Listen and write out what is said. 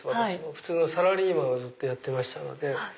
普通のサラリーマンをずっとやってましたので。